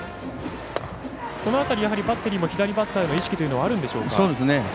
この辺り、バッテリー左バッターへの意識というのがあるんでしょうか。